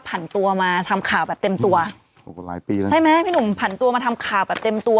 ผ่านตัวมาทำข่าวแบบเต็มตัวหลายปีแล้วใช่ไหมพี่หนุ่มผันตัวมาทำข่าวแบบเต็มตัว